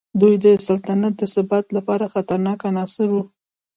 دوی د سلطنت د ثبات لپاره خطرناک عناصر وو.